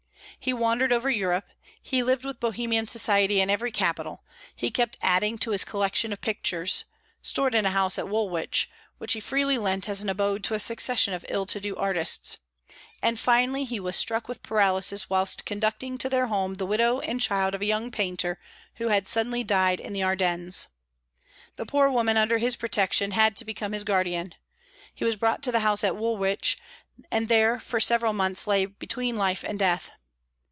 He wandered over Europe; he lived with Bohemian society in every capital; he kept adding to his collection of pictures (stored in a house at Woolwich, which he freely lent as an abode to a succession of ill to do artists); and finally he was struck with paralysis whilst conducting to their home the widow and child of a young painter who had suddenly died in the Ardennes. The poor woman under his protection had to become his guardian. He was brought to the house at Woolwich, and there for several months lay between life and death.